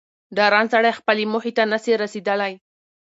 ډارن سړی خپلي موخي ته نه سي رسېدلاي